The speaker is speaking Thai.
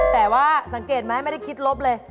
แต่ว่าสังเกตไหมไม่ได้คิดลบเลย